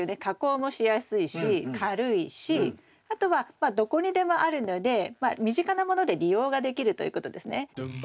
加工もしやすいし軽いしあとはまあどこにでもあるのでまあ身近なもので利用ができるということですね。